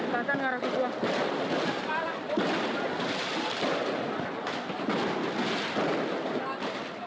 tata nggak ragu gua